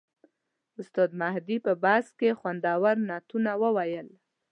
استاد مهدي په بس کې خوندور نعتونه وویل.